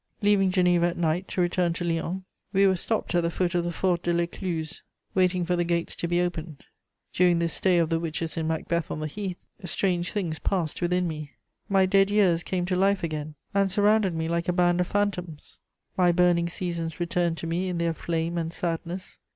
Leaving Geneva at night to return to Lyons, we were stopped at the foot of the Fort de l'Écluse, waiting for the gates to be opened. During this stay of the witches in Macbeth on the heath, strange things passed within me. My dead years came to life again and surrounded me like a band of phantoms; my burning seasons returned to me in their flame and sadness.